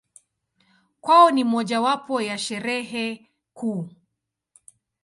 Kwao ni mojawapo ya Sherehe kuu.